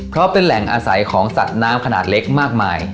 เพราะเป็นแหล่งอาศัยของสัตว์น้ำขนาดเล็กมากมาย